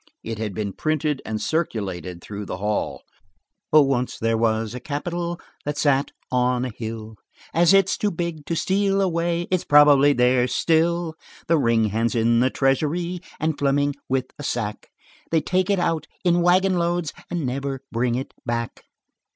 It had been printed and circulated through the hall. "Oh, once there was a capitol That sat on a hill, As it's too big to steal away It's probably there still. The ring's hand in the treasury And Fleming with a sack. They take it out in wagon loads And never bring it back."